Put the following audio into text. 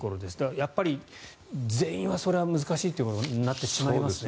やっぱり全員はそれは難しいということになってしまいますね。